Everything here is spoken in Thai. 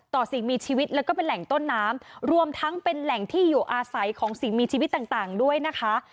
สิ่งมีชีวิตแล้วก็เป็นแหล่งต้นน้ำรวมทั้งเป็นแหล่งที่อยู่อาศัยของสิ่งมีชีวิตต่างด้วยนะคะ